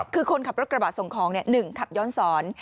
คือคนขับรถกระบะส่งของ๑ขับย้อนสอน